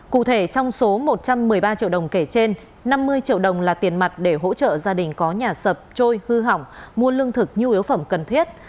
cụ thể trong số một trăm một mươi ba triệu đồng kể trên năm mươi triệu đồng là tiền mặt để hỗ trợ gia đình có nhà sập trôi hư hỏng mua lương thực nhu yếu phẩm cần thiết